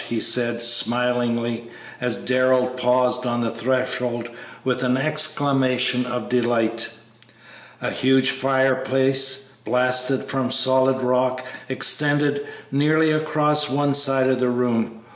'" he said, smilingly, as Darrell paused on the threshold with an exclamation of delight. A huge fireplace, blasted from solid rock, extended nearly across one side of the room.